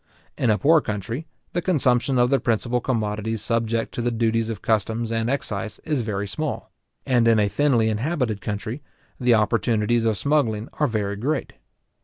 In a poor country, the consumption of the principal commodities subject to the duties of customs and excise, is very small; and in a thinly inhabited country, the opportunities of smuggling are very great.